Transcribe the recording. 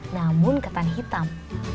namun ketan hitam